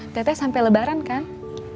teteh sampai lebaran kang